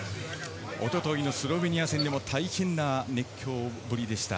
スロベニア戦でも大変な熱狂ぶりでした。